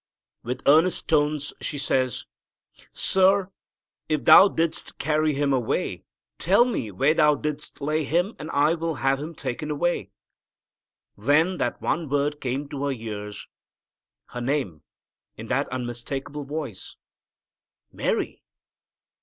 With earnest tones she says, "Sir, if thou didst carry Him away, tell me where thou didst lay Him and I will have Him taken away." Then that one word came to her ears, her name, in that unmistakable voice, "Mary."